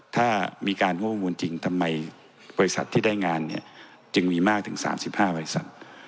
ถ้ามีการข้อมูลจริงทำไมบริษัทที่ได้งานเนี่ยจึงมีมากถึง๓๕บริษัท